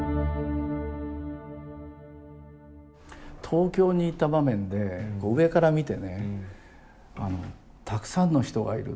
東京に行った場面で上から見てねたくさんの人がいる。